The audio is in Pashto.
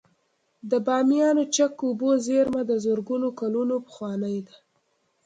د بامیانو چک اوبو زیرمه د زرګونه کلونو پخوانۍ ده